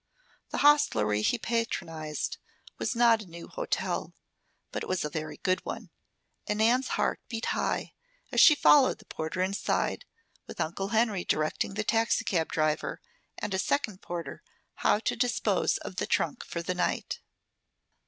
The hostelry he patronized was not a new hotel; but it was a very good one, and Nan's heart beat high as she followed the porter inside, with Uncle Henry directing the taxicab driver and a second porter how to dispose of the trunk for the night.